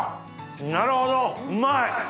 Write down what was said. なるほどうまい！